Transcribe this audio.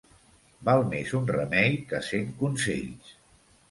Val més un remei que cent consells.